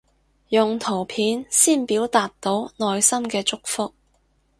用圖片先表達到內心嘅祝福